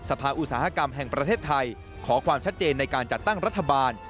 อุตสาหกรรมแห่งประเทศไทยขอความชัดเจนในการจัดตั้งรัฐบาล